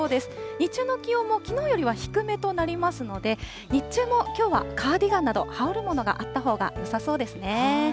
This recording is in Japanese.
日中の気温もきのうよりは低めとなりますので、日中もきょうはカーディガンなど、羽織るものがあったほうがよさそうですね。